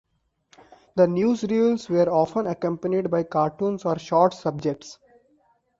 The newsreels were often accompanied by cartoons or short subjects.